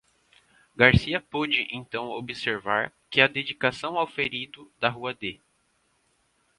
Garcia pôde então observar que a dedicação ao ferido da rua D.